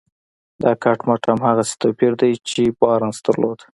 دا کټ مټ هماغسې توپير دی چې بارنس درلود.